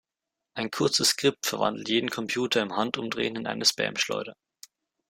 Ein kurzes Skript verwandelt jeden Computer im Handumdrehen in eine Spamschleuder.